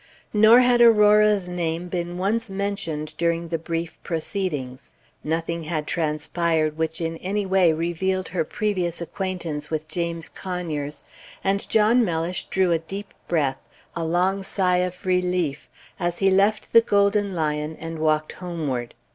Nor had Aurora's name been once mentioned during the brief proceedings. Nothing had transpired which in any way revealed her previous acquaintance with James Conyers; and John Mellish drew a deep breath, a long Page 136 sigh of relief, as he left the Golden Lion and walked homeward.